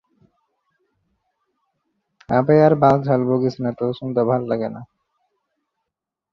তবে তা করলে যে শাস্তি পেতে হত, তারও কোনো প্রমাণ নেই।